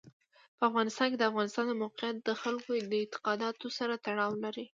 په افغانستان کې د افغانستان د موقعیت د خلکو د اعتقاداتو سره تړاو لري.